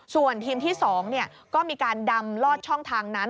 ส่วนทีมที่๒ก็มีการดำลอดช่องทางนั้น